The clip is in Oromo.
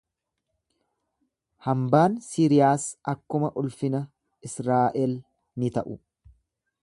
Hambaan Siriyaas akkuma ulfina Israa'el ni ta'u.